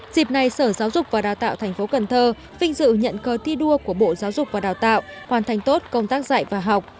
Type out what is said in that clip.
dịp này sở giáo dục và đào tạo thành phố cần thơ vinh dự nhận cơ thi đua của bộ giáo dục và đào tạo hoàn thành tốt công tác dạy và học